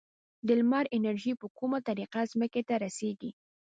د لمر انرژي په کومه طریقه ځمکې ته رسیږي؟